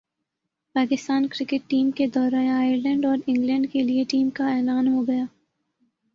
Pakistan cricket team کے دورہ Ireland اور انگلینڈ کیلئے ٹیم کا اعلان ہو گیا